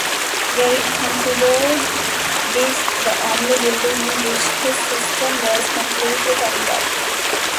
Reid considered this the only building in which his system was completely carried out.